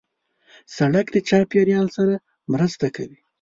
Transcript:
سړک د چاپېریال سره مرسته کوي.